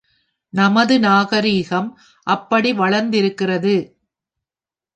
நமது நாகரிகம் அப்படி வளர்ந்திருக்கிறது.